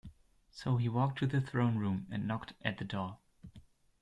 So he walked to the Throne Room and knocked at the door.